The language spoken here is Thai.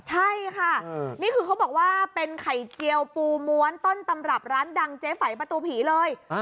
ใช่ค่ะนี่คือเขาบอกว่าเป็นไข่เจียวปูม้วนต้นตำรับร้านดังเจ๊ไฝประตูผีเลย